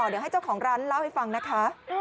เดี๋ยวให้เจ้าของร้านเล่าให้ฟังนะคะ